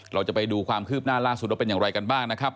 เราจะไปดูความคืบหน้าล่าสุดว่าเป็นอย่างไรกันบ้างนะครับ